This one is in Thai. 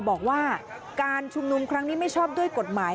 บอกว่าการชุมนุมครั้งนี้ไม่ชอบด้วยกฎหมาย